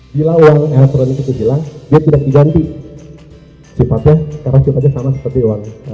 bila uang elektronik itu hilang dia tidak diganti sifatnya karena sifatnya sama seperti uang